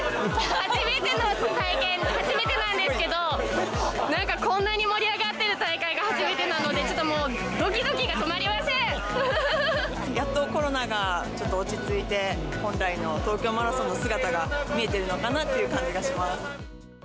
初めての体験、初めてなんですけど、なんか、こんなに盛り上がっている大会が初めてなので、ちょっともう、やっとコロナがちょっと落ち着いて、本来の東京マラソンの姿が見えてるのかなという感じがします。